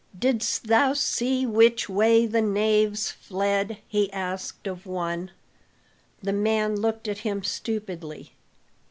"Didst thou see which way the knaves fled?" he asked of one. The man looked at him stupidly.